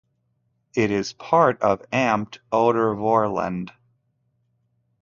It is part of "Amt" Odervorland.